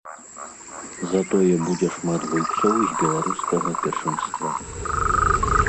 Затое будзе шмат гульцоў з беларускага першынства.